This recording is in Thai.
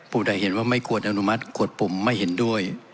ผู้ใดเห็นว่าไม่ควรอนุมัติกขวดปุ่มไม่เห็นด้วย